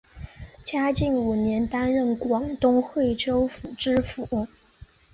嘉靖五年担任广东惠州府知府。